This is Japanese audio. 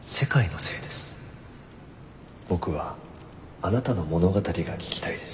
僕はあなたの物語が聞きたいです。